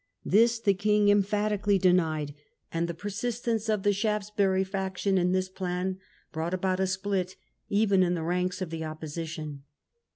This the king emphatically denied, and the per sistence of the Shaftesbury faction in this plan brought about a split even in the ranks of the Opposition.